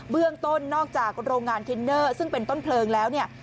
ต้นนอกจากโรงงานทินเนอร์ซึ่งเป็นต้นเพลิงแล้วเนี่ย